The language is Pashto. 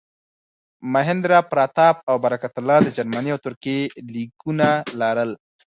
مهیندراپراتاپ او برکت الله د جرمني او ترکیې لیکونه لرل.